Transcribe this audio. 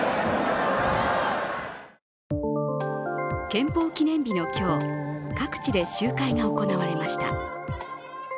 憲法記念日の今日、各地で集会が行われました。